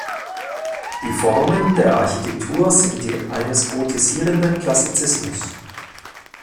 Die Formen der Architektur sind die eines gotisierenden Klassizismus.